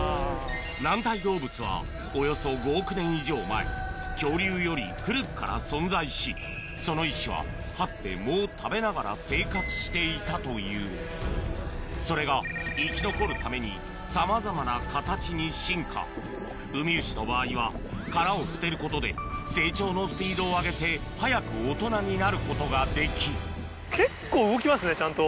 軟体動物はおよそ５億年以上前恐竜より古くから存在しその一種ははって藻を食べながら生活していたというそれが生き残るためにさまざまな形に進化ウミウシの場合は殻を捨てることで成長のスピードを上げて早く大人になることができ結構動きますねちゃんと。